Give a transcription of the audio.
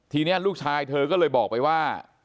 ทีนี้ลูกชายเธอก็เลยบอกไปว่า